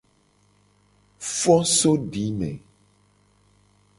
Fo so dime.